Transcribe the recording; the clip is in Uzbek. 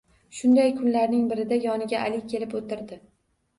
Shunday kunlarning birida yoniga Ali kelib o`tirdi